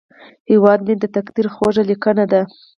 هیواد مې د تقدیر خوږه لیکنه ده